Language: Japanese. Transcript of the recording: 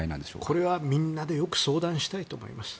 これはみんなでよく相談したいと思います。